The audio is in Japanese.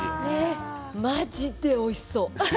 まじでおいしそう。